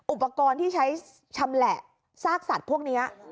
อุปกรณ์ที่ใช้ชำแหละซากสัตว์พวกนี้